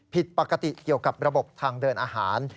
ผิดปกติเกี่ยวกับระบบทางเดินอาหาร